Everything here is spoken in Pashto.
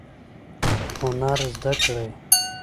هنر زده کړئ